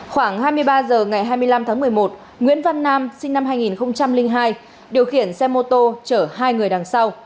khoảng hai mươi ba h ngày hai mươi năm tháng một mươi một nguyễn văn nam sinh năm hai nghìn hai điều khiển xe mô tô chở hai người đằng sau